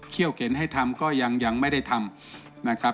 เขี้ยวเข็นให้ทำก็ยังไม่ได้ทำ